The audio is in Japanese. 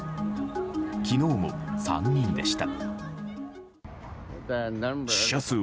昨日も３人でした。